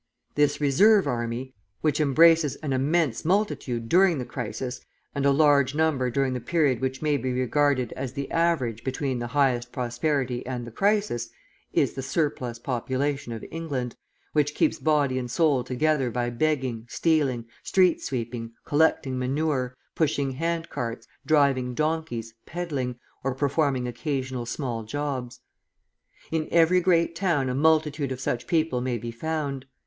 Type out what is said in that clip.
This reserve army, which embraces an immense multitude during the crisis and a large number during the period which may be regarded as the average between the highest prosperity and the crisis, is the "surplus population" of England, which keeps body and soul together by begging, stealing, street sweeping, collecting manure, pushing handcarts, driving donkeys, peddling, or performing occasional small jobs. In every great town a multitude of such people may be found.